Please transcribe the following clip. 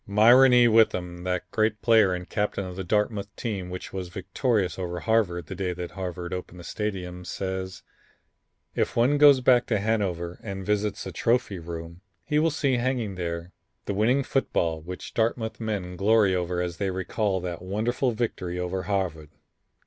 Myron E. Witham, that great player and captain of the Dartmouth team which was victorious over Harvard the day that Harvard opened the Stadium, says: "If one goes back to Hanover and visits the trophy room he will see hanging there the winning football which Dartmouth men glory over as they recall that wonderful victory over Harvard.